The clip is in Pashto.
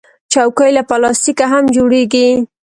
چوکۍ له پلاستیکه هم جوړیږي.